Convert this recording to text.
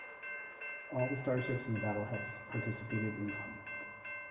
All the starships in the battle hex participated in combat.